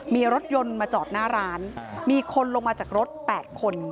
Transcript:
มีรถยนต์มาจอดหน้าร้านมีคนลงมาจากรถ๘คน